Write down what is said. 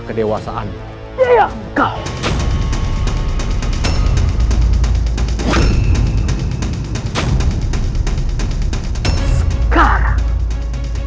kedewasaan ya ya kau sekarang